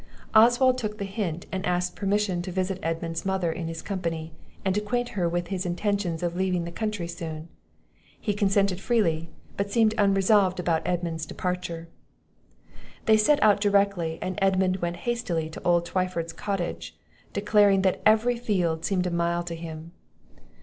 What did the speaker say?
Oswald took the hint, and asked permission to visit Edmund's mother in his company, and acquaint her with his intentions of leaving the country soon. He consented freely; but seemed unresolved about Edmund's departure. They set out directly, and Edmund went hastily to old Twyford's cottage, declaring that every field seemed a mile to him.